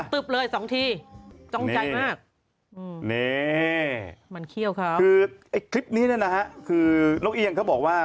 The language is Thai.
ตึกเลยสองทีจ้องใจมากนี่มันเขี้ยวเขาคือไอ้คลิปนี้เนี่ยนะฮะคือนกเอี่ยงเขาบอกว่า